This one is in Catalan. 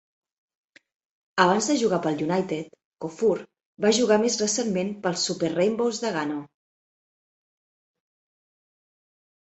Abans de jugar pel United, Kuffour va jugar més recentment pels Super Rainbows de Ghana.